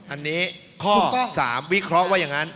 อันนี้ข้อ๓วิเคราะห์ว่าอย่างนั้น